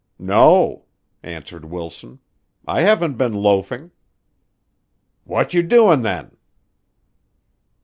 "No," answered Wilson, "I haven't been loafing." "Wot yer doin' then?"